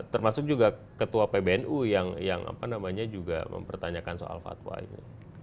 termasuk juga ketua pbnu yang mempertanyakan soal fatwa itu